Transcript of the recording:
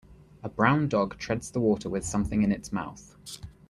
A brown dog treads the water with something in its mouth.